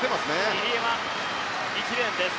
入江は１レーンです。